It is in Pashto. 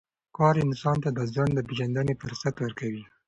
کار انسان ته د ځان د پېژندنې فرصت ورکوي